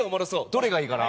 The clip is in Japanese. どれがいいかな。